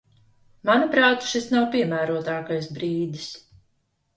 Manuprāt, šis nav piemērotākais brīdis.